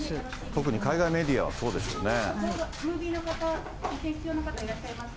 特に海外メディアはそうでしょうね。